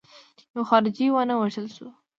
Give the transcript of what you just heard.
یو خارجي ونه وژل شو.